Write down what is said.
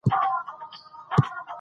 کېدای شي پښتو لیکدود نور هم بشپړ شي.